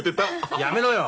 やめろよ！